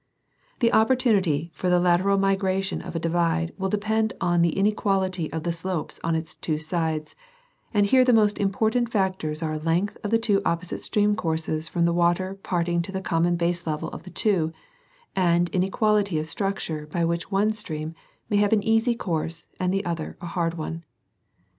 The opportunity for the lateral migration of a divide will depend on the inequality of the slopes on its two sides, and here the most important fac tors are length of the two opposite stream courses from the water parting to the common baselevel of the two, and inequality of structure by which one stream may have an easy course and the other a hard one.